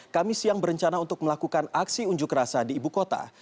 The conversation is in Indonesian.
kami siang berencana untuk melakukan aksi unjuk rasa di ibu kota